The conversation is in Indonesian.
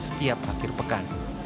setiap akhir pekan